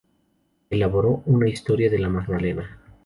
Elaboró una "Historia de la Magdalena".